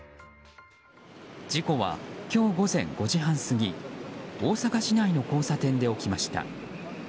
事故は、今日午前５時半過ぎ大阪市内の交差点で起きました。